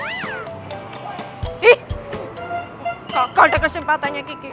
ih gagal deh kesempatannya kiki